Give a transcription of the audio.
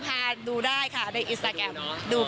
ภาพที่ดูได้ค่ะได้อินสตาแกรมดูกัน